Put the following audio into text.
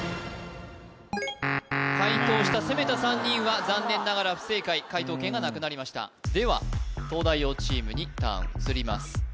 解答した攻めた３人は残念ながら不正解解答権がなくなりましたでは東大王チームにターン移ります